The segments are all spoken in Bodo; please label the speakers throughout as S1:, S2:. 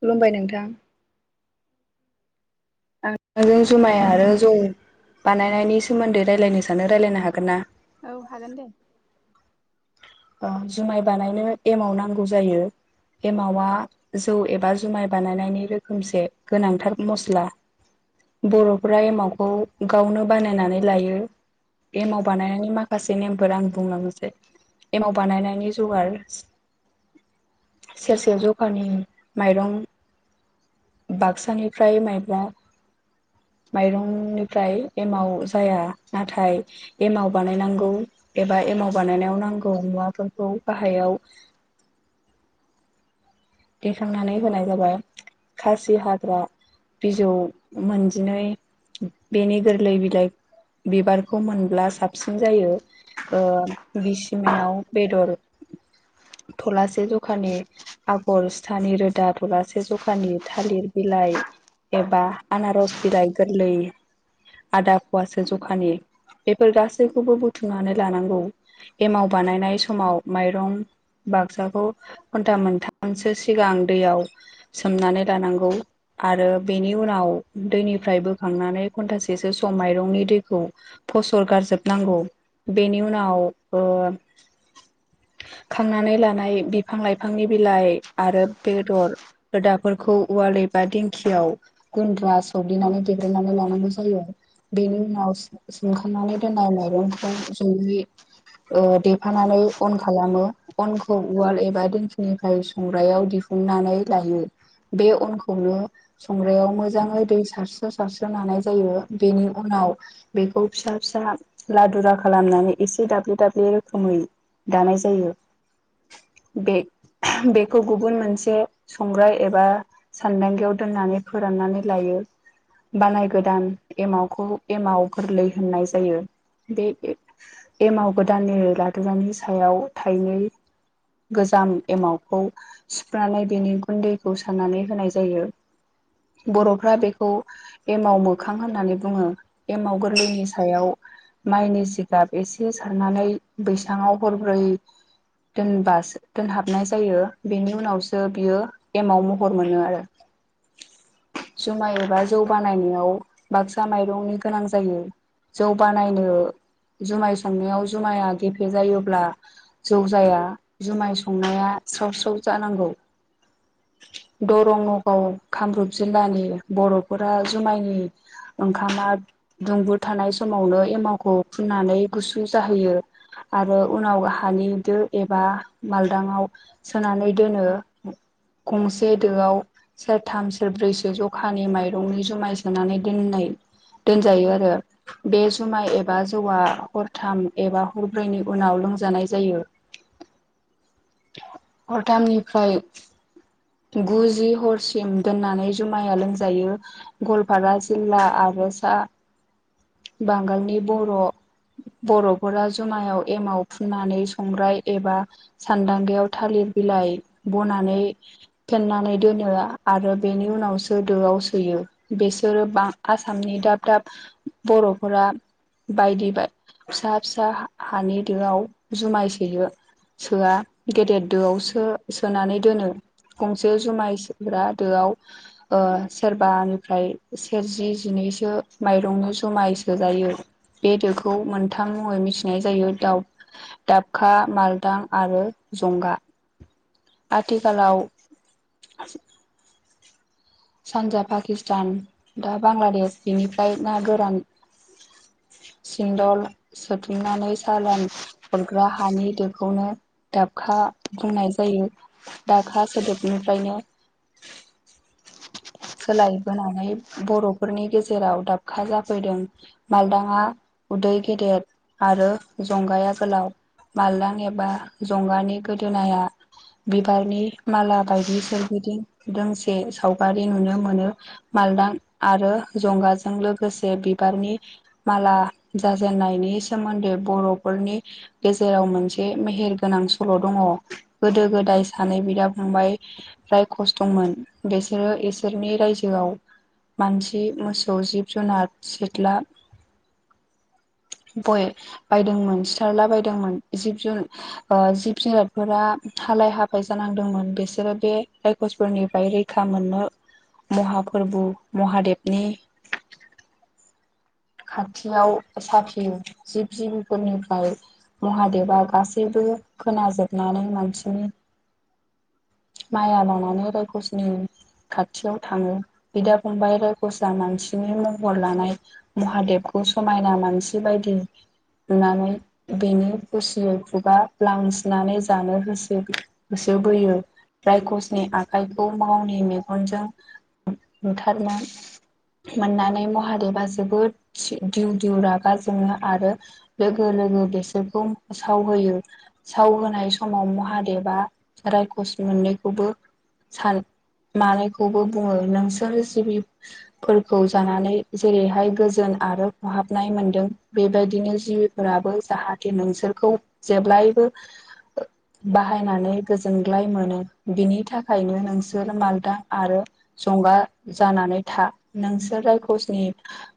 S1: खुलुमबाय नोंथां। [unintelligible] जों जुमाइ आरो जौ बानायनायनि सोमोन्दै रायलायनो सानो रायलायनो हागोन ना?
S2: औ हागोन दे।
S1: ओ जुमाइ बानायनो एमाव नांगौ जायो। एमावा जौ एबा जुमाइ बानायनायनि रोखोमसे गोनांथार मस्ला। बर'फ्रा एमावखौ गावनो बानायनानै लायो। एमव बानायनानै माखासे नेमफोर आं बुंलांनोसै एमाव बानायनायनि जगार सेरसे जखानि माइरं बाक्सानिफ्राय माइब्रा माइरंनिफ्राय एमाव बानायनायाव नांगौ मुवाफोरखौ बाहायाव। दैखांनानै होनाय जाबाय खासि हाग्रा बिजौ मोन नै बेनि गोरलै बिलाइ बिबारखौ मोनब्ला साबसिन जायो बिसिमाव बेदर थलासे जखानि आ गल सिथानि रोदा थलासे जखानि थालिर बिलाइ एबा आनारस बिलाइ गोरलै आदा फवासे जखानि बेफोर गासैखौबो बुथुमनानै लानांगौ एमाव बानायनाय समाव माइरं बाक्साखौ घन्टा मोनथामसो सिगां दैयाव सोमनानै लानांगौ आरो बेनि उनाव दैनि निफ्राय बोखांनानै घन्टासेसो सम माइरंनि दैखौ फसर गारजोबनांगौ बेनि उनाव खांनानै लानाय बिफां लाइफांनि बिलाइ आरो बेदर रोदाफोरखौ उवाल एबा दिंखियाव गुनद्रा सौग्लिनानै देग्लिनानै लानांगौ जायो। बेनि उनाव सोमखांनानै दोननाय माइरंखौ जयै ओ देफानानै अन खालामो अनखौ उवाल एबा निफ्राय संग्रायाव दिहुननानै लायो। बे अनखौनो संग्रायाव मोजाङै दै सारस्रो सारस्रो लानाय जायो बेनि उनाव बेखौ फिसा फिसा लादुरा खालामनानै एसे दाब्लि दाब्लि रोखोमै दानाय जायो बे- बेखौ गुबुन मोनसे संग्राइ एबा सानदांगियाव दोननानै फोरान नानै लायो बानाय गोदान एमावखौ एमाव गोरलै होननाय जायो बे एमाव गोदाननि ला खुगानि सायाव थाइनै गोजाम एमावखौ सिनानै बेनि गुन्दैखौ सारनानै होनाय जायो। बर'फ्रा बेखौ एमाव मोखां होननानै बुङो एमाव गोरलैनि सायाव माइनि जिगाब एसे सारनानै बैसाङाव हरब्रै दोनबासो दोनहाब हाबनाय जायो बेनि उनावसो बियो एमाव महर मोनो आरो। जुमाय एबा जौ बानायनायाव बाक्सा माइरंनि गोनां जायो। जौ बानायनो जुमाय सांनायाव जुमाया गेफे जायोब्ला जौ जाया जुमाय संनाया स्राव स्रौ जानांगौ। दरं नगाव कामरुप जिल्लानि बर'फोरा जुमायनि ओंखामा दुंबुद थानाय समावनो एमावखौ फुननानै गुसु जाहैयो। आरो उनाव हानि दो एबा मालदांआव सोनानै दोनो। गंसे दोआव सेरथाम सेरब्रैसो जखानि माइरंनि जुमाय सोनानै दोननाय। दोनजायो आरो बे जुमाय एबा जौवआ। हरथाम एबा हरब्रैनि उनाव लोंजानाय जायो। हरथामनिफ्राय गुजि हरसिम दोननानै जुमाया लोंजायो गवालपारा जिल्ला आरो। ब'सा बांगालनि बर' बर'फोरा जुमायाव एमाव फुननानै संग्राय एबा सान्दांगायाव थालिर बिलाइ बनानै फेन्नानै दोनो आरो बेनि उनावसो दोआव सोयो। बेसोरो बा आसामनि दाब दाब बर'फोरा बायदि बा फिसा फिसा हानि दोआव जुमाय सोयो सोआ गेदेर दोआव सो सोनानै दोनो। गंसे जुमायसोग्रा दोआव ओ सेरबानिफ्राय सेरजि जिनै सो माइरंनि जमाय सो जायो। बे दोखौ मोनथाम मुङै मिथिनाय जायो दाव दाबखा मालदां आरो। जंगा। आथिखालाव सानजा पाकिस्तान दा बांलादेश बेनिफ्राय ना गोरान। [inaudible] सिंन्दल सोदुमनानै सालान हरग्रा हानि दोखौनो दाबखा। बुंनाय जायो। दाखा सोदोबनिफ्रायनो सोलायबोनानै बर'फोरनि गेजेराव दाबखा जाफैदों मालदाङा। उदै गेदेर आरो जंगाया गोलाव। मालदां एबा जंगानि गोदोनाया बिबारनि माला बायदि सोरगिदिं दोंसे सावगारि नुनो मोनो मालदां आरो जगाजों लोगोसे बिबारनि माला। ला जाजेननायनि सोमोन्दै बर'फोरनि गेजेराव मोनसे मेहेर गोनां सल' दङ गोदो गोदाय सानै बिदा फंबाय। फ्राय खस्थ'मोन बेसोरो नि रायजोआव मानसि मोसौ जिब जुनार सिथ्ला। [inaudible] गय बायदोंमोन सिथारला बायदोंमोन जिब जुनार जिब जुनारफोरा हालाय हाफाय जानांदोंमोन बिसोरो बे रायकसफोरनिफ्राय रैखा मोननो। महा फोरबु महादेबनि खाथियाव साफियो जिब जिबिफोरनिफ्राय महादेबआ गासैबो खोनन जोबनानै मानसिनि माइया लानानै रायखसनि खाथियाव थाङो बिदा फंबाय रायकसा मानसिनि महर लानाय। महादेबखौ समायना मानसि बायदि नुनानै बेनि खुसियै खुगा लांस। नानै जानो होसो होसोबोयो रायकसनि आखाइखौ मावनि मेगन। जों बुथारनो मोननानै महादेबा जोबोद [unintelligible] दिउ दिउ रागा जोङो आरो लोगो लोगो बेसोरखौ सावहोयो सावहोनाय समाव महादेबा रायकसि मोनैखौबो सान मानैखौबो बुंङो नोंसोर जिबि फोरखौ जानानै जेरैहाय गोज जोन आरो खहाबनाय मोनदों बेबायदिनो जिउफोराबो जाहाथे नोंसोरखौ जेब्ला [unintelligible] बो बाहायनानै गोजोनग्लाय मोनो बिनि थाखायनो नोंसोर मालदा आरो जंगा जानानै था नोंसोर रायखसनि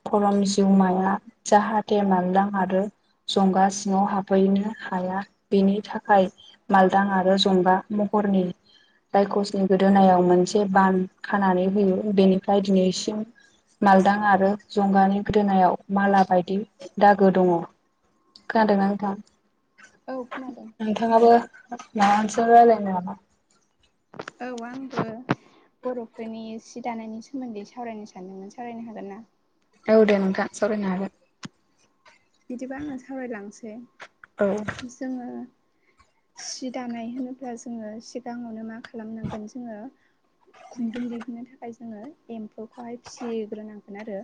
S1: खरम जिउमाया जाहाथे मालदां आरो जंगा सिङाव हाबहैनो हाया बिनि थाखाय मालदां आरो जंगा म हरनि रायखसनि गोदोनायाव मोनसे बान खानानै होयो बेनिफ्राय दिनैसिम मालदां आरो जंगानि गोदोनायाव माला बायदि दागो दङ' खोना दोंना नोंथां
S2: औ खोनादों
S1: नोंथाङाबो माबा मोनसे रायलायनो नामा
S2: औ आंबो बर'फोरनि सि दानायनि सोमोन्दै सावरायनो सानदोंमोन सावरायनो हागोन ना
S1: औ दे नोंथां सावरायनो हागोन।
S2: बिदिबा आङो सावरायलांसै
S1: हागोन औ
S2: जोङो सि दानाय होनोब्ला जोङो सिगाङावनो मा खा खालामनांगोन जोङो खुन्दुं दिहुननो थाखाय जोङो एम्फौखौहाय फिसिग्रोनां गोन आरो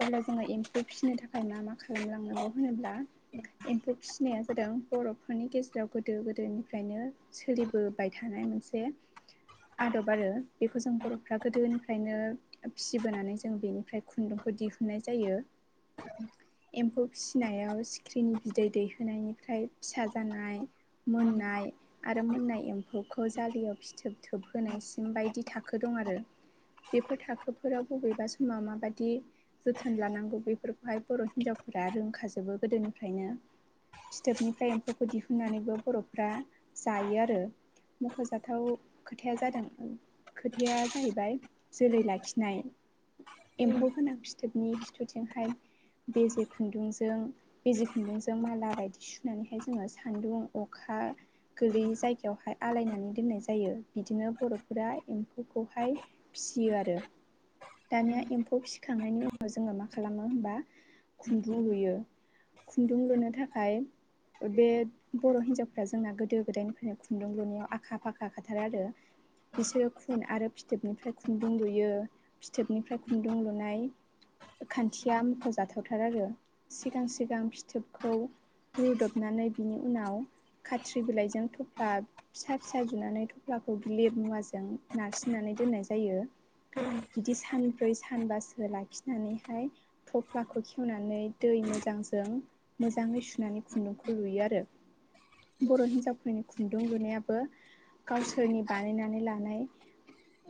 S2: अब्ला जोङो एम्फौ फिसिनो थाखाय मा मा खालामलांनांगौ होनोब्ला एम्फौ फिस नाया जादों बर'फोरनि गेजेराव गोदो गोदोनिफ्रायनो सोलिबोबाय थानाय मोनसे आदब आरो बेखौ जों बर'फ्रा गोदोनिफ्रायनो फिसिबोनानै जों बेनिफ्राय खुन्दुं खो दिहुननाय जायो।
S1: [unintelligible]
S2: एम्फौ फिसिनायाव सिख्रिनि बिदै दैहोनायनिफ्राय फिसा जानाय मोननाय आरो मोननाय एम्फौखौ जालियाव फिथोब थोबहोनायसिम बायदि थाखो दं आरो बेफोर थाखोफोराव बबेबा समाव माबादि जोथोन लानांगौ बेफोरखौहाय बर' हिनजाव ब्रा रोंखाजोबो गोदोनिफ्रायनो फिथोबनिफ्राय एम्फौखौ दिहुननानैबो बर'फ्रा जायो आरो। मख'जाथाव खोथाया जादों। खोथाया जाहैबाय जोलै लाखिनाय। एम्फौ गोनां फिथोबनि खिथोबजोंहाय बे जे खुन्दुंजों बिजि खुन्दुंजों माला बायदि सुनानैहाय जोङो सान्दुं अखा गोलैयै जायगायावहाय आलायनानै दोननाय जायो बिदिनो बर'फोरा एम्फौखौहाय फिसि यो आरो दानिया एम्फौ फिसिखांनायनि उनाव जोङो मा खालामो होमबा खुन्दुं लुयो खुन्दुं लुनो थाखाय बे बर' हिन्जावफ्रा जोंना गोदो गोदायनिफ्रायनो खुन्दुं लुनायाव आखा फाखा खाथार आरो‌ बिसोर खुन आरो फिथोबनिफ्राय खुन्दुं लुयो फिथोबनिफ्राय खुन्दुं लुनाय खान्थिया मख'जाथावथार आरो सिगां सिगां फिथोबखौ रुदबनानै बिनि उनाव खाथ्रि बिलाइजों थफ्ला फिसा फिसा जुनानै थफ्ला खौ गिलिद मुवाजों नारसिननानै दोननाय जायो। बिदि सानब्रै सानबासो लाखिनानैहाय [unintelligible] फ्लाखौ खेवनानै दै मोजांजों मोजाङै सुनानै खुन्दुंखौ लुयो आरो बर' हिनजावफोरनि खुन्दुं लुनायाबो गावसोरनि बानायनानै लानाय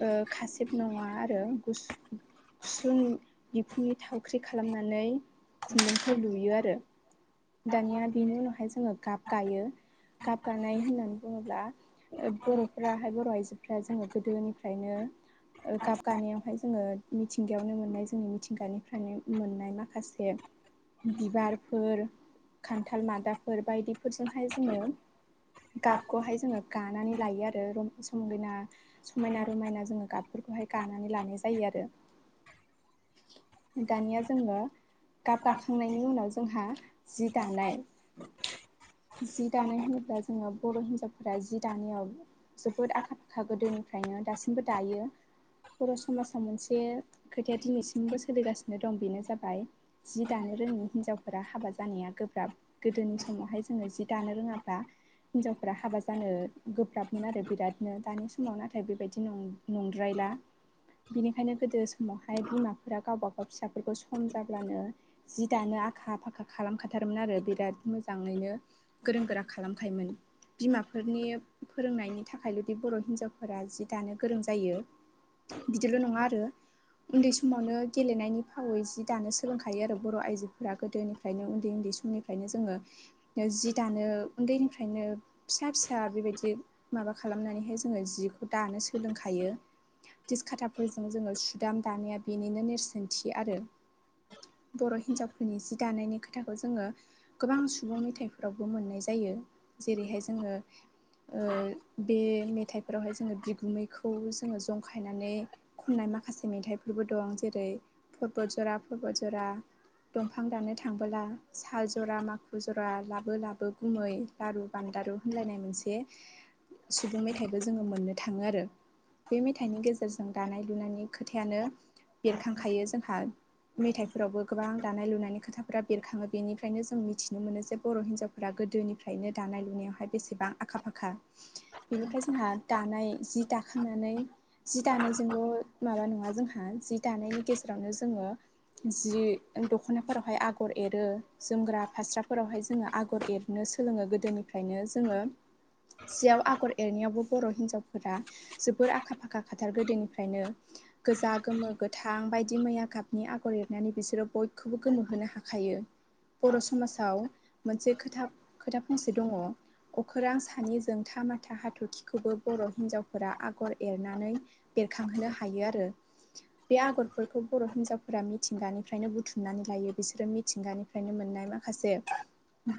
S2: ओ खासेब नङा आरो गुस-गुसुं बिखुंनि थावख्रि खालामनानै खुन्दुंखौ लुयो आरो दानिया बेनि उनावहाय जोङो गाब गायो गाबगानाय होननानै बुङोब्ला बर'फाहाय बर' आइजोफ्रा जोङो गोदोनिफ्रायनो। गाब गानायावहाय जोङो मिथिंगायावनो मोननाय जोंनि मिथिंगानिफ्रायनो। मोननाय माखासे बिबारफोर। खान्थाल मादाफोर बायदिफोरजोंहाय जोङो। गाबखौहाय जोङो गानानै लायो। ायो आरो समगायना समायना रमायना जोङो गाबफोरखौहाय गानानै लानाय जायो आरो।
S1: [unintelligible]
S2: दानिया जोङो गाब गाखांनायनि उनाव जोंहा जि दानाय। जि दानाय होनोब्ला जोङो बर' हिनजावफोरा जि दानायाव जोबोद आखा फाखा गोदोनि निफ्रायनो दासिमबो दायो बर' समाजाव मोनसे खोथाया दिनैसिमबो सोलिगासिनो। दं बेनो जाबाय जि दानो रोङि हिनजावफोरा हाबा जानाया गोब्राब गोदोनि समावहाय जोङो जि दानो रोङाब्ला हिनजावफोरा हाबा जानो गोब्राबमोन आरो बिरादनो दानि समाव नाथाय बेबायदि नं नंद्राय ला बिनिखायनो गोदो समावहाय बिमाफोरा गाव गाव। फिसाफोरखौ सम जाब्लानो जि दानो आखा फाखा खालामखाथारोममोन आरो बिराद मोजाङैनो गोरों गोरा खालामखायोमोन। बिमाफोरनि फोरोंनायनि थाखायल'दि बर' हिन्जावफोरा जि दानो गोरों जायो। बिदिल' नङा आरो उन्दै समावनो गेलेनायनि फावै जि दानो सोलोंखायो आरो बर' आइजोफोरा गोदोनिफ्रायनो उन्दै उन्दै समनिफ्रायनो जोङो जि दानो उन्दैनिफ्रायनो फिसा फिसा बेबायदि माबा खालामनानैहाय जोङो जिखौ दानो सोलोंखायो तसकथाफोरजों जोङो सुदाम दानाया बेनिनोेर सोंथि आरो। बर' हिनजावफोरनि जि दानायनि खोथाखौ जोङो गोबां सुबुं मेथाइफोरावबो मोननाय जायो। यो जेरै'हाय जोङो। ओ बे मेथाइफोरावहाय जोङो बिगुमैखौ जोङो जंखायनानै खननाय। माखासे मेथाइफोरबो दं जेरै' पबत जरा पबत जरा दंफां दानो थांबोला साहा जरा माखु जरा लाबो लाबो गुमै लारु बान्दारु होनलायनाय मोनसे सुबुं मेथायाइबो जोङो मोननो थाङो आरो। बे मेथाइनि गेजेरजों दानाय लुनायनि खोथायानो। खायो जोंहा। मेथाइफोरावबो गोबां दानाय लुनायनि खोथाफोरा बेरखाङो बेनिफ्रायनो जों मिथिनो मोनो जे बर' हिनजावफोरा गो गोदोनिफ्रायनो दानाय लुनायावहाय बेसेबां आखा फाखा बेनिफ्राय जोंहा दानाय जि दा खांनानै जि दानायजोंल' माबा नङा जोंहा दानायनि गेजेरावनो जोङो। जि दख'नाफोरावहाय आगर एरो जोमग्रा फास्राफोरावहाय जोङो आगर एरनो सोलोङो गोदोनिफ्रायनो जोङो। सियाव आगर एरनायावबो बर' हिनजावफोरा जोबोर आखा फाखा खाथार गोदोनिफ्रायनो गोजा गोमो गोथा। आं बायदि मैया गाबनि आगर एरनानै बिसोरो बयखौबो गोमोहोनो हाखायो। बर' समाजाव मोनसे खोथा खोथा फंसे दङ? अखोरां सानि जोंथा माथा हाथरखिखौबो बर' हिनजावफोरा आगर एरनानै बेरखांहोनो हायो आरो। बे आगरफोरखौ बर' हिन्जावफोरा मिथिंगानिफ्रायनो बुथुमनानै लायो बिसोरो मिथिंगानिफ्रायनो मोननाय माखा खासे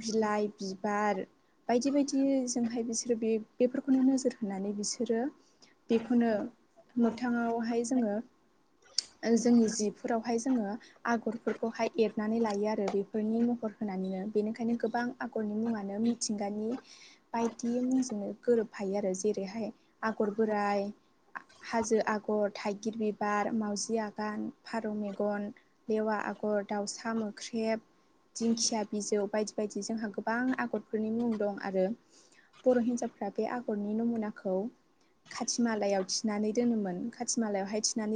S2: बिलाइ बिबार बायदि बायदिजोंहाय बिसोरो बे बेफोरखौनो नोजोर होनानै बिसोरो बेखौनो मोगथाङावहाय जोङो। जोंनि जिफोरावहाय जोङो आगरफोरखौहाय एरनानै लायो आरो बेफोरनि महर' होननानैनो बेनिखायनो गोबां आगरनि मुङानो मिथिंगानि बायदि मुंजोंनो गोरोब फायो आरो जेरै'हाय आगर बोराइ हाजो आगर थाइगिर बिबार। मावउजि आगान, फारौ मेगन, लेवा आगर, दाउसा मोख्रेब। दिंखिया बिजौ बायदि बायदि जोंहा गोबां आगरफोरनि मुं दं आरो बर' हिनजावफ्रा बे आगरनि नमुनाखौ खाथि मालायाव थिनानै दोनोमोन खाथिमालायावहाय थिनानै